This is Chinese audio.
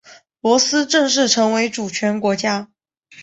罗斯正式成为主权国家。